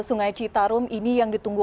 sungai citarum ini yang ditunggu